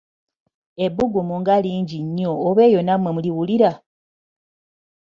Ebbugumu nga lingi nnyo oba nammwe eyo muliwulira?